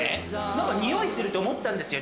何か匂いするって思ったんですよ